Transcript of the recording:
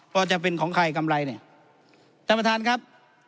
ว่าจะเป็นของใครกำไรเนี่ยท่านประธานครับ